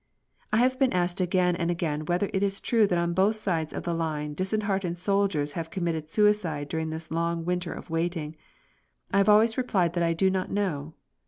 I have been asked again and again whether it is true that on both sides of the line disheartened soldiers have committed suicide during this long winter of waiting. I have always replied that I do not know.